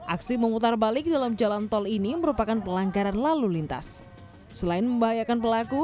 aksi memutar balik dalam jalan tol ini merupakan pelanggaran lalu lintas selain membahayakan pelaku